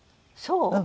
そう？